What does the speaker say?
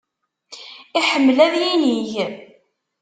Iḥemmel ad yinig.